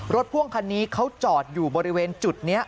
พ่วงคันนี้เขาจอดอยู่บริเวณจุดนี้